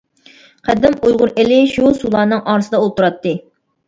قەدىم ئۇيغۇر ئېلى شۇ سۇلارنىڭ ئارىسىدا ئولتۇراتتى.